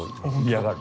嫌がる。